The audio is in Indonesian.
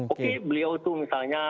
oke beliau itu misalnya